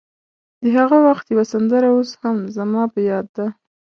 د هغه وخت یوه سندره اوس هم زما په یاد ده.